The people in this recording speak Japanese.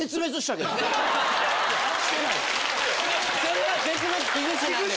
・これは絶滅危惧種なんで。